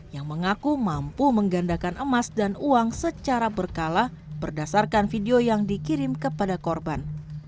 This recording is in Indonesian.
yang mengaku mampu menggandakan emas dan uang secara berkala berdasarkan video yang dikirim kepada korban